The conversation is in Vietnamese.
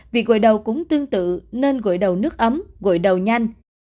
việc gội đầu cũng tương tự nên gội đầu nước ấm gội đầu nhanh